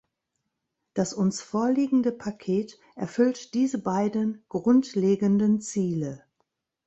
Das uns vorliegende Paket erfüllt diese beiden grundlegenden Ziele.